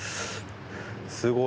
すごい。